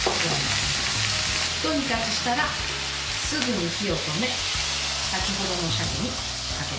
ひと煮立ちしたらすぐに火を止め先ほどの鮭にかけます。